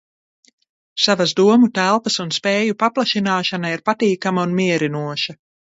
Savas domu telpas un spēju paplašināšana ir patīkama un mierinoša.